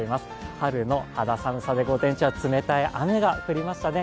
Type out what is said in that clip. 春の肌寒さで午前中は冷たい雨が降りましたね。